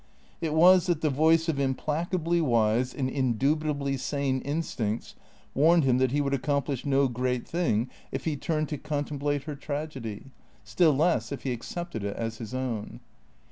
It was that the voice of implacably wise, and indubitably sane instincts warned him that he would accomplish no great thing if he turned to THECREATOES 471 contemplate her tragedy, still less if he accepted it as his own.